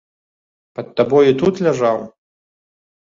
Пад табою тут ляжаў?